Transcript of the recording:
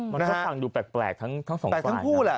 มันก็ฟังดูแปลกทั้งสองฝ่าย